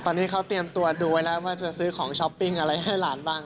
ตอนนี้เขาเตรียมตัวดูไว้แล้วว่าจะซื้อของช้อปปิ้งอะไรให้หลานบ้าง